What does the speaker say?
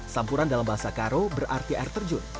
sampuran dalam bahasa karo berarti air terjun